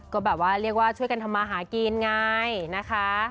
ก็แบบว่าเรียกว่าช่วยกันทำมาหากินไงนะคะ